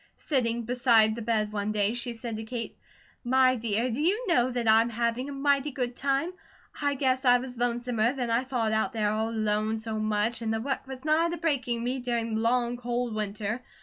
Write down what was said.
Sitting beside the bed one day she said to Kate: "My dear, do you know that I'm having a mighty good time? I guess I was lonesomer than I thought out there all alone so much, and the work was nigh to breaking me during the long, cold winter.